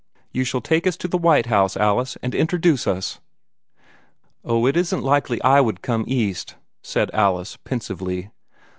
"You shall take us to the White House, Alice, and introduce us." "Oh, it isn't likely I would come East," said Alice, pensively.